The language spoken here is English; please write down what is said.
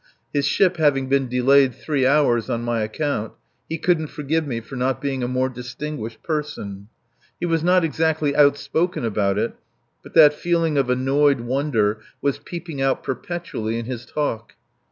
His ship having been delayed three hours on my account he couldn't forgive me for not being a more distinguished person. He was not exactly outspoken about it, but that feeling of annoyed wonder was peeping out perpetually in his talk.